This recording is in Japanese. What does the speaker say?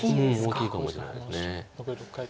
大きいかもしれないです。